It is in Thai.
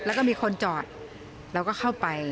แล้วก็มีคนจอดเราก็เข้าไป